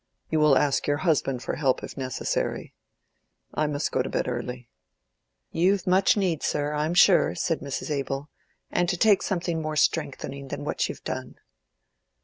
You will ask your husband for help if necessary. I must go to bed early." "You've much need, sir, I'm sure," said Mrs. Abel, "and to take something more strengthening than what you've done."